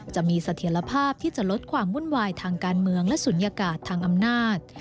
จะมีเสถียรภาพที่จะลดความวุ่นวายทางการเมืองและศูนยากาศทางอำนาจ